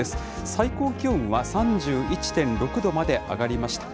最高気温は３１．６度まで上がりました。